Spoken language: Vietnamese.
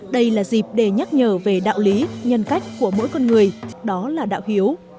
đây là dịp để nhắc nhở về đạo lý nhân cách của mỗi con người đó là đạo hiếu